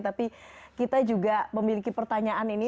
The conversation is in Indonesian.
tapi kita juga memiliki pertanyaan ini